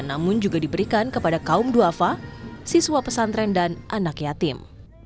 namun juga diberikan kepada kaum duafa siswa pesantren dan anak yatim